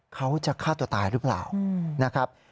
เขาจะฆ่าตัวตายหรือเปล่านะครับ